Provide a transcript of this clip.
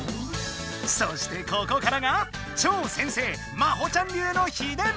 そしてここからが超先生麻帆ちゃん流のひでん！